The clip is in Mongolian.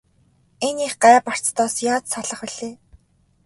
Энэ их гай барцдаас яаж салах билээ?